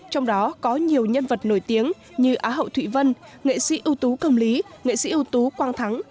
trong đó có nhiều nhân vật nổi tiếng như á hậu thụy vân nghệ sĩ ưu tú công lý nghệ sĩ ưu tú quang thắng